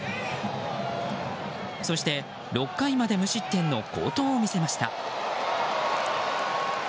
そして６回まで無失点の好投を見せました。